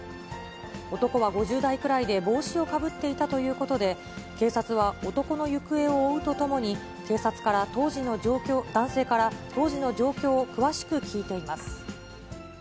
男は５０代くらいで帽子をかぶっていたということで、警察は男の行方を追うとともに、男性から当時の状況を詳しく聞いています。